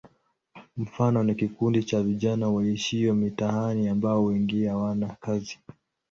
Mfano ni kikundi cha vijana waishio mitaani ambao wengi hawana kazi.